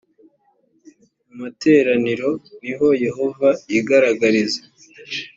mu materaniro niho yehova yigaragariza